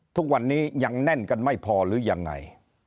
ทุกวันนี้ยังแน่นกันไม่พอหรือยังไง